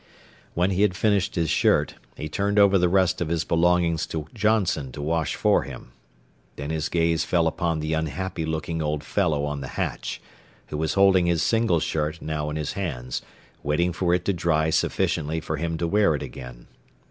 When he had finished his shirt, he turned over the rest of his belongings to Johnson to wash for him. Then his gaze fell upon the unhappy looking old fellow on the hatch, who was holding his single shirt now in his hands, waiting for it to dry sufficiently for him to wear it again.